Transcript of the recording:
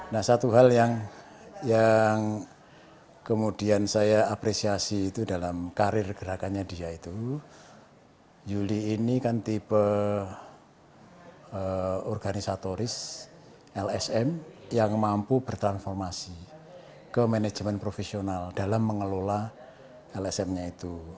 nah satu hal yang kemudian saya apresiasi itu dalam karir gerakannya dia itu yulia ini kan tipe organisatoris lsm yang mampu bertransformasi ke manajemen profesional dalam mengelola lsm nya itu